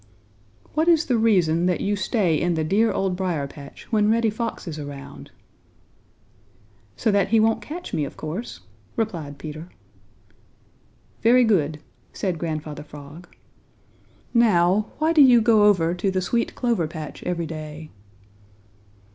"What is the reason that you stay in the dear Old Briar patch when Reddy Fox is around?" "So that he won't catch me, of course," replied Peter. "Very good," said Grandfather Frog. "Now, why do you go over to the sweet clover patch every day?"